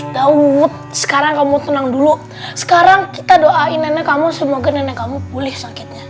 dawup sekarang kamu tenang dulu sekarang kita doai nenek kamu semoga nenek kamu kabulikan rif